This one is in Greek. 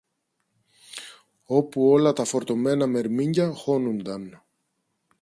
όπου όλα τα φορτωμένα μερμήγκια χώνουνταν